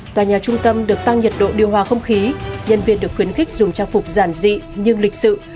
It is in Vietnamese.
tòa nhà trung tâm được tăng nhiệt độ điều hòa không khí nhân viên được khuyến khích dùng trang phục giản dị nhưng lịch sự